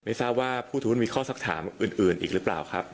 ไม่ทราบว่าผู้ถูกคุณมีข้อสถานอื่นอีกหรือเปล่าครับ